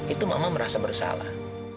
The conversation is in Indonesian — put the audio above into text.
itu mama merasa bersalah